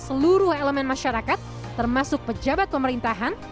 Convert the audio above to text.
seluruh elemen masyarakat termasuk pejabat pemerintahan